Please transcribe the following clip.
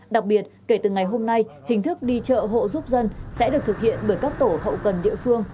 đặc biệt kể từ ngày hôm nay hình thức đi chợ hộ giúp dân sẽ được thực hiện bởi các tổ hậu cần địa phương